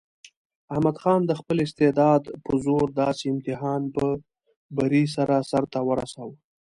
احمد خان د خپل استعداد په زور داسې امتحان په بري سره سرته ورساوه.